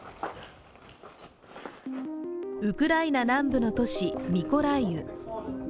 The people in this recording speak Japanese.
ウクライナ南部の都市ミコライウ。